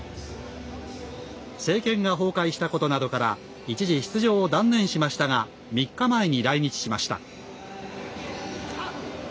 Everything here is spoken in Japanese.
政権が崩壊したことなどから一時、出場を断念しましたが３日前に来日しました。